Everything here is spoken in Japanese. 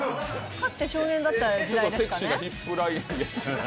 かつて少年だった時代ですかね。